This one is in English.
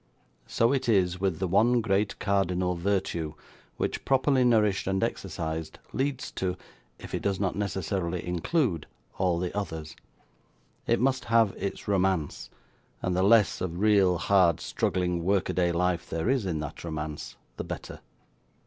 So it is with the one great cardinal virtue, which, properly nourished and exercised, leads to, if it does not necessarily include, all the others. It must have its romance; and the less of real, hard, struggling work a day life there is in that romance, the better.